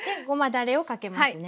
だれをかけますね。